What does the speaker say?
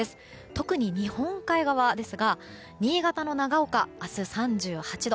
特に日本海側ですが新潟の長岡、明日３８度。